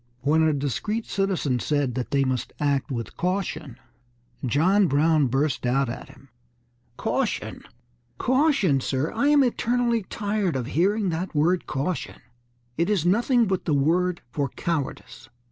When a discreet citizen said that they must act with caution John Brown burst out at him: "Caution, caution, sir! I am eternally tired of hearing that word caution it is nothing but the word for cowardice!"